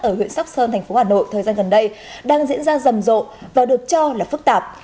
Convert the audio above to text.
ở huyện sóc sơn thành phố hà nội thời gian gần đây đang diễn ra rầm rộ và được cho là phức tạp